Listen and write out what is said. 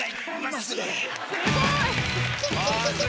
あすごい！